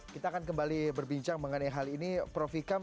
kita akan kembali berbincang mengenai hal ini prof ikam